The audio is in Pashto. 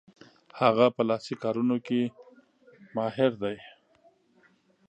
هغه په لاسي کارونو کې ماهر دی.